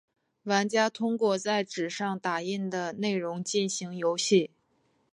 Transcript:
玩家通过在纸上打印的内容进行游戏。